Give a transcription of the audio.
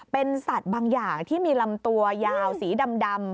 เป็นสัตว์บางอย่างที่มีลำตัวยาวสีดำ